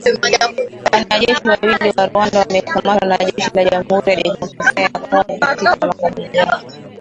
Wanajeshi wawili wa Rwanda wamekamatwa na jeshi la Jamuhuri ya Kidemokrasia ya Kongo katika makabiliano